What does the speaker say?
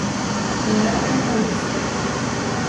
Mera än han visste.